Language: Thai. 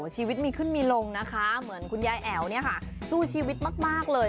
ชีวิตมีขึ้นมีลงนะคะเหมือนคุณยายแอ๋วเนี่ยค่ะสู้ชีวิตมากเลย